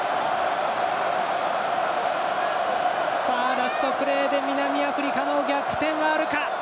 ラストプレーで南アフリカの逆転はあるか。